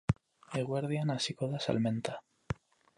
Eguerdian hasiko da salmenta.